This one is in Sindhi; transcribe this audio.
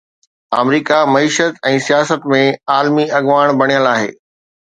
آمريڪا معيشت ۽ سياست ۾ عالمي اڳواڻ بڻيل آهي.